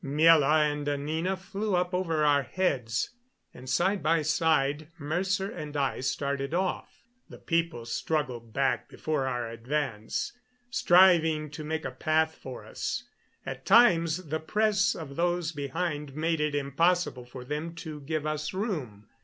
Miela and Anina flew up over our heads, and, side by side, Mercer and I started off. The people struggled back before our advance, striving to make a path for us. At times the press of those behind made it impossible for them to give us room.